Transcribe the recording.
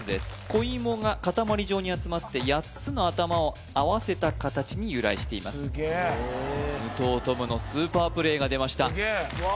子芋が塊状に集まって８つの頭を合わせた形に由来しています武藤十夢のスーパープレーが出ましたわ